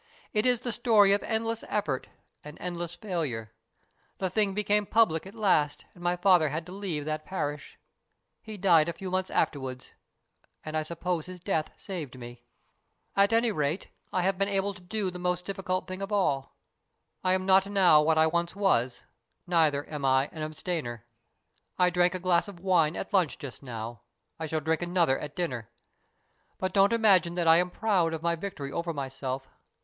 It is the story of endless effort and endless failure. The thing became public at last, and my father had to leave that parish. He died a few months afterwards, and I suppose his death saved me. ioo STORIES IN GREY At any rate, I have been able to do the most difficult thing of all. I am not what I once was, neither am I an abstainer. I drank a glass of wine at lunch just now. I shall drink another at dinner. But don't imagine that I am proud of my victory over myself.